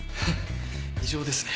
異常ですね。